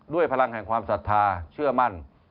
พลังแห่งความศรัทธาเชื่อมั่น